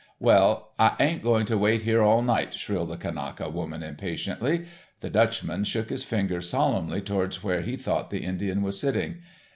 "Well, I ain't going to wait here all night," shrilled the Kanaka woman impatiently. The Dutchman shook his finger solemnly towards where he thought the Indian was sitting.